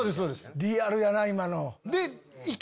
リアルやな今の。